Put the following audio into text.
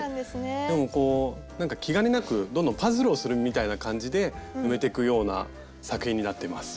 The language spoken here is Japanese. でもこうなんか気兼ねなくどんどんパズルをするみたいな感じで埋めてくような作品になってます。